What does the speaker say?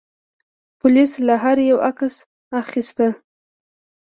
پولیس له هر یوه عکس اخیسته.